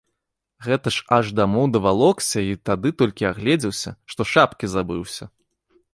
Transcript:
Гэта ж аж дамоў давалокся і тады толькі агледзеўся, што шапкі забыўся.